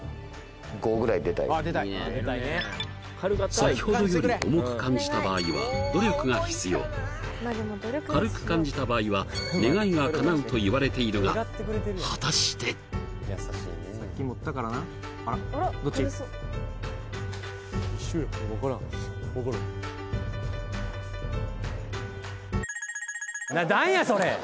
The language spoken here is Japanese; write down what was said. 先ほどより重く感じた場合は努力が必要軽く感じた場合は願いがかなうといわれているが果たして○○何やそれ！